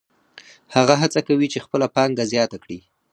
هغه هڅه کوي چې خپله پانګه زیاته کړي